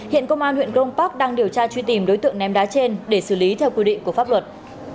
hiện công an huyện grong park đang điều tra truy tìm đối tượng ném đá trên để xử lý theo quy định của pháp luật